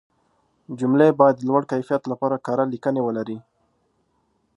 جملې باید د لوړ کیفیت لپاره کره لیکنې ولري.